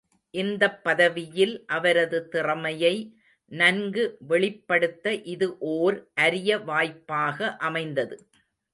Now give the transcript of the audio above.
இந்தப் பதவியில், அவரது திறமையை நன்கு வெளிப்படுத்த இது ஓர் அரிய வாய்ப்பாக அமைந்தது.